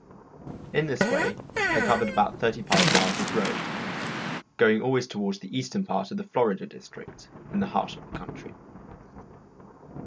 In this way I covered about thirty five miles of road, going always towards the eastern part of the Florida district in the heart of the country.